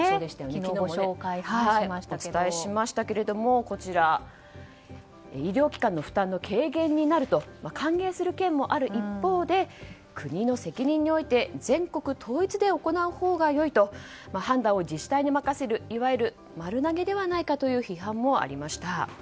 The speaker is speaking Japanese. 昨日、お伝えしましたけども医療機関の負担の軽減になると歓迎する県もある一方で国の責任において全国統一で行うほうがいいと判断を自治体に任せるいわゆる丸投げではないかという批判もありました。